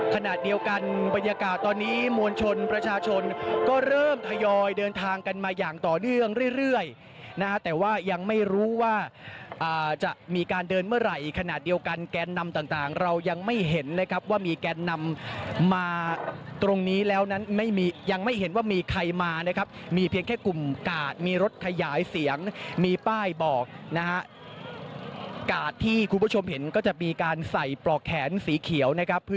ขนาดเดียวกันบรรยากาศตอนนี้มวลชนประชาชนก็เริ่มทยอยเดินทางกันมาอย่างต่อเนื่องเรื่อยนะแต่ว่ายังไม่รู้ว่าจะมีการเดินเมื่อไหร่ขนาดเดียวกันแก่นนำต่างเรายังไม่เห็นเลยครับว่ามีแก่นนำมาตรงนี้แล้วนั้นไม่มียังไม่เห็นว่ามีใครมานะครับมีเพียงแค่กลุ่มกากมีรถขยายเสียงมีป้ายบอกนะครับกากที่คุณผู้